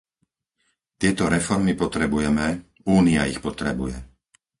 Tieto reformy potrebujeme, Únia ich potrebuje.